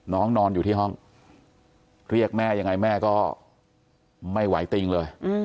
นอนอยู่ที่ห้องเรียกแม่ยังไงแม่ก็ไม่ไหวติงเลย